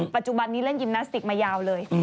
ปัจจุบันนี้เล่นยิมนาสติกมายาวเลย